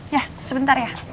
ya sebentar ya